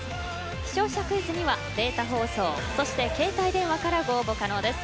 視聴者クイズにはデータ放送そして携帯電話からご応募可能です。